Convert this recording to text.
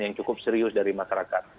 yang cukup serius dari masyarakat